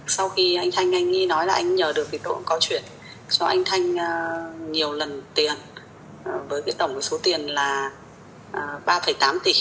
sau khi anh thanh anh ấy nói là anh nhờ được việc đội có chuyện cho anh thanh nhiều lần tiền với tổng số tiền là ba tám tỷ